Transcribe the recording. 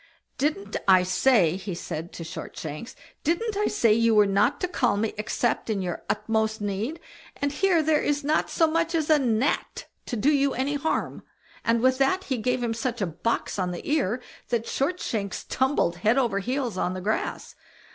"Didn't I say!" he said to Shortshanks, "didn't I say you were not to call me except in your utmost need? and here there is not so much as a gnat to do you any harm", and with that he gave him such a box on the ear that Shortshanks tumbled head over heels on the grass.